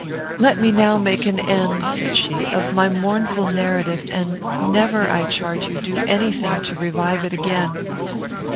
"Let me now make an end," said she, "of my mournful narrative, and never, I charge you, do any thing to revive it again.